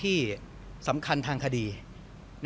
มีใครไปดึงปั๊กหรือว่า